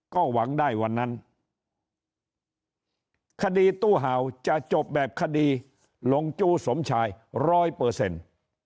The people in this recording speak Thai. ก็หวังได้วันนั้นคดีตู้เห่าจะจบแบบคดีหลงจู้สมชายร้อยเปอร์เซ็นต์